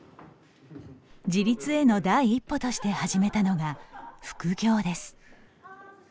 自立への第一歩として始めたのが副業です。